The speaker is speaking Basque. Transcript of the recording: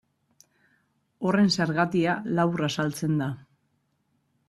Horren zergatia labur azaltzen da.